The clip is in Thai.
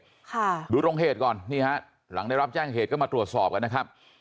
ค่ะดูตรงเหตุก่อนนี่ฮะหลังได้รับแจ้งเหตุก็มาตรวจสอบกันนะครับ